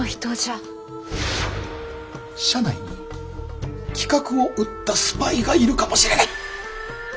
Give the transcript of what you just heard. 社内に企画を売ったスパイがいるかもしれない。